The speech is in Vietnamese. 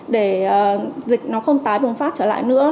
để dịch nó không tái bùng phát trở lại nữa